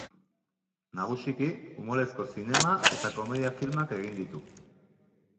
Nagusiki umorezko zinema eta komedia filmak egin ditu.